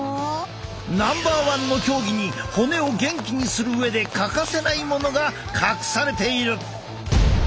ナンバーワンの競技に骨を元気にする上で欠かせないものが隠されている！